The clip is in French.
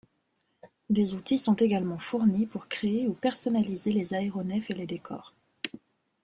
Des outils sont également fournis pour créer ou personnaliser les aéronefs et les décors.